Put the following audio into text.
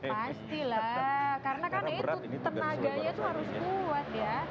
pasti lah karena kan itu tenaganya tuh harus kuat ya